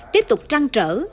tiếp tục trăng trở